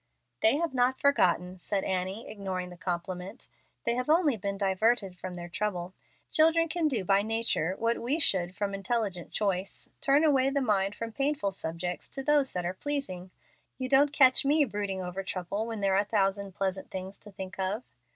"They have not forgotten," said Annie, ignoring the compliment "they have only been diverted from their trouble. Children can do by nature what we should from intelligent choice turn away the mind from painful subjects to those that are pleasing. You don't catch me brooding over trouble when there are a thousand pleasant things to think of."